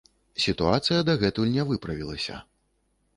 Сітуацыя дагэтуль не выправілася.